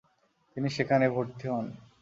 তিনি সেখানে ভরতি হন।